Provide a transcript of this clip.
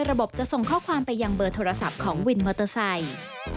ระบบจะส่งข้อความไปยังเบอร์โทรศัพท์ของวินมอเตอร์ไซค์